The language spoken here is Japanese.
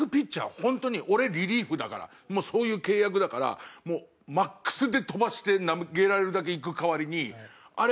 本当に俺リリーフだからもうそういう契約だからもうマックスで飛ばして投げられるだけいく代わりにあれ？